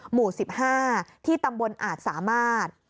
หมู่๑๕ที่ตำบลอาจสามารถ